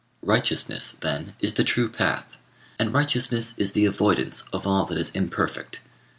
] Righteousness, then, is the true path, and righteousness is the avoidance of all that is imperfect.